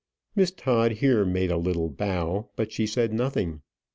Miss Todd here made a little bow, but she said nothing.